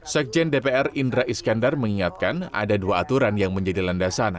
sekjen dpr indra iskandar mengingatkan ada dua aturan yang menjadi landasan